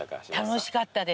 楽しかったです。